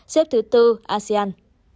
xếp thứ bốn asean